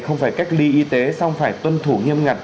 không phải cách ly y tế xong phải tuân thủ nghiêm ngặt